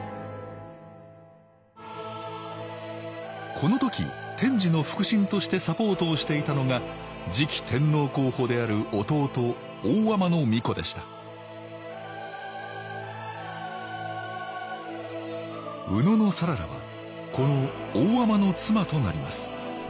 この時天智の腹心としてサポートをしていたのが次期天皇候補である弟大海人皇子でした野讚良はこの大海人の妻となります